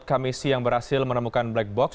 komisi yang berhasil menemukan black box